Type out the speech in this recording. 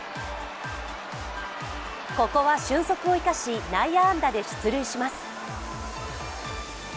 ここは俊足を生かし内野安打で出塁します。